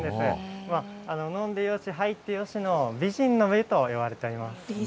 飲んでよし、入ってよしの美人の湯といわれています。